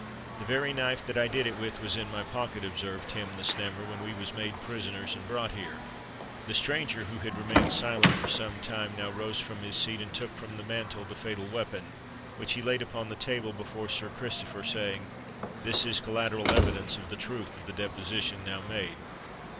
"The very knife that I did it with was in my pocket," observed Tim the Snammer, "when we was made prisoners and brought here." The stranger, who had remained silent for some time, now rose from his seat, and took from the mantel the fatal weapon, which he laid upon the table before Sir Christopher, saying, "This is collateral evidence of the truth of the deposition now made."